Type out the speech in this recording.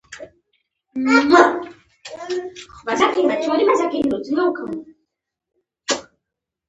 پۀ خپله پښتونولۍ او کلکه حوصله غاوره دے ۔